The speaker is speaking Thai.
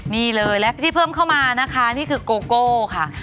นี่เลยและที่เพิ่มเข้ามานะคะนี่คือโกโก้ค่ะ